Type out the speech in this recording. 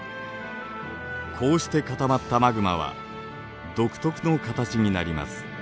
こうして固まったマグマは独特の形になります。